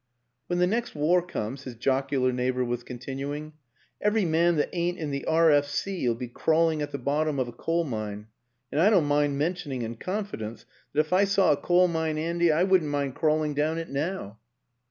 ..." When the next war comes," his jocular neigh bor was continuing, " every man that ain't in the R. F. C. 'ull be crawling at the bottom of a coal mine. And I don't mind mentioning in confidence that if I saw a coal mine 'andy I wouldn't mind crawling down it now."